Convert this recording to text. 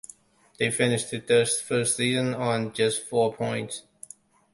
They finished their first season on just four points.